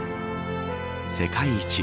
世界一。